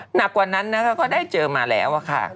หนักกว่านั้นนะคะก็ได้เจอมาแล้วค่ะ